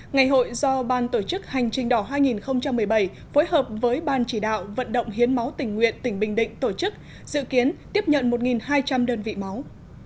ngày hội do ban tổ chức hành trình đỏ hai nghìn một mươi bảy phối hợp với ban chỉ đạo vận động hiến máu tỉnh nguyện tỉnh bình định tổ chức dự kiến tiếp nhận một hai trăm linh đơn vị máu